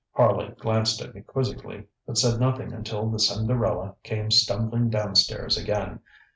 Harley glanced at me quizzically, but said nothing until the Cinderella came stumbling downstairs again.